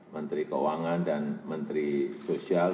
menteri keuangan dan menteri sosial